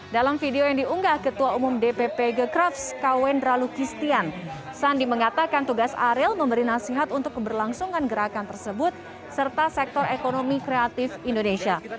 dalam video yang diunggah ketua umum dpp gecrafs kawendra lukistian sandi mengatakan tugas ariel memberi nasihat untuk keberlangsungan gerakan tersebut serta sektor ekonomi kreatif indonesia